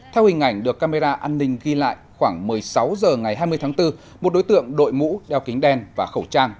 theo hình ảnh được camera an ninh ghi lại khoảng một mươi sáu h ngày hai mươi tháng bốn một đối tượng đội mũ đeo kính đen và khẩu trang